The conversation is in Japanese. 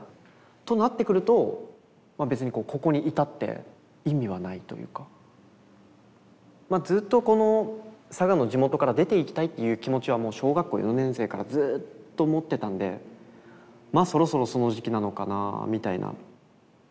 となってくるとまあ別にまあずっとこの佐賀の地元から出ていきたいという気持ちはもう小学校４年生からずっと持ってたんでそろそろその時期なのかなみたいな。